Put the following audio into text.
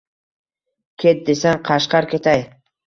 Ket desang Qashqar ketay